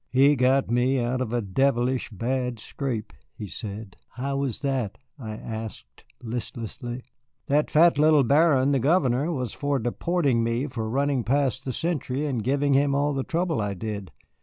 "He got me out of a devilish bad scrape," he said. "How was that?" I asked listlessly. "That fat little Baron, the Governor, was for deporting me for running past the sentry and giving him all the trouble I did.